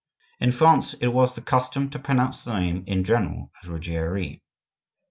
In France it was the custom to pronounce the name in general as Ruggieri.